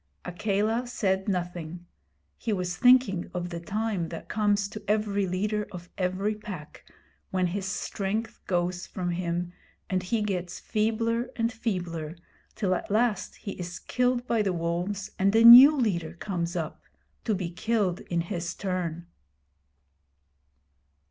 Akela said nothing. He was thinking of the time that comes to every leader of every pack when his strength goes from him and he gets feebler and feebler, till at last he is killed by the wolves and a new leader comes up to be killed in his turn.